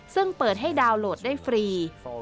ซึ่งเปิดให้ดาวน์โหลดได้ฟรี